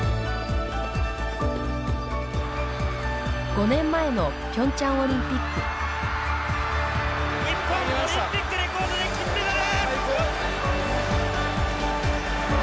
５年前のピョンチャンオリンピック。日本オリンピックレコードで金メダル！